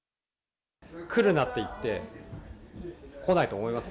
来るなって言って、来ないと思います？